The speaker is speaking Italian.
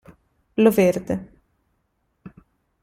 Lo Verde